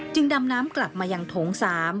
จึงดำน้ำกลับมาอย่างโถง๓